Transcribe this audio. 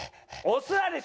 おすわり！